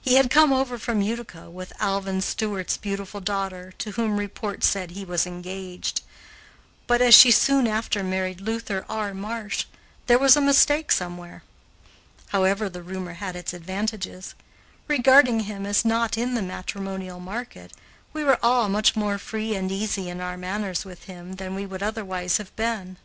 He had come over from Utica with Alvin Stewart's beautiful daughter, to whom report said he was engaged; but, as she soon after married Luther R. Marsh, there was a mistake somewhere. However, the rumor had its advantages. Regarding him as not in the matrimonial market, we were all much more free and easy in our manners with him than we would otherwise have been.